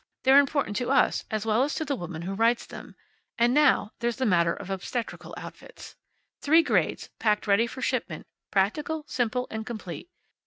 They're important to us as well as to the woman who writes them. And now, there's the matter of obstetrical outfits. Three grades, packed ready for shipment, practical, simple, and complete.